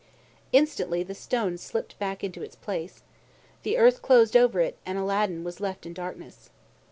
Instantly the stone slipped back into its place. The earth closed over it, and Aladdin was left in darkness.